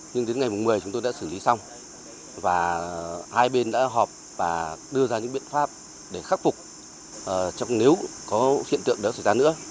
nhưng đến ngày một mươi chúng tôi đã xử lý xong và hai bên đã họp và đưa ra những biện pháp để khắc phục trong nếu có hiện tượng đó xảy ra nữa